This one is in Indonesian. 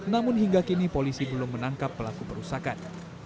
namun hingga kini polisi belum menangkap pelaku perusakan